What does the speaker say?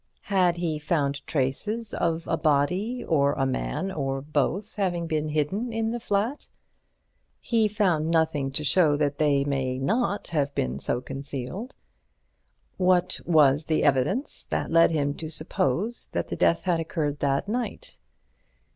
Had he found traces of a body or a man or both having been hidden in the flat? He found nothing to show that they might not have been so concealed. What was the evidence that led him to suppose that the death had occurred that night?